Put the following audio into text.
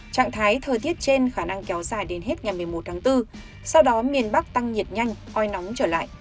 trạng thái thời tiết trên khả năng kéo dài đến hết ngày một mươi một tháng bốn sau đó miền bắc tăng nhiệt nhanh oi nóng trở lại